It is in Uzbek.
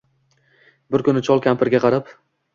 Bir kuni chol kampiriga qarab: